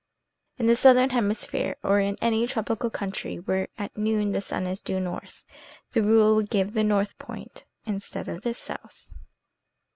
" In the southern hemisphere, or in any tropical country where at noon the sun is due north, the rule will give the north point instead of the south."